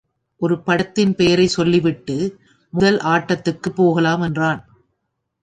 ஒரு படத்தின் பெயரைச் சொல்லிவிட்டு, முதல் ஆட்டத்துக்குப் போகலாம் என்றான்.